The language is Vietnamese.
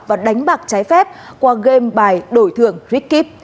và đánh bạc trái phép qua game bài đổi thường rikip